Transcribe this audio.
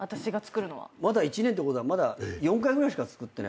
まだ１年ってことはまだ４回ぐらいしか作ってない。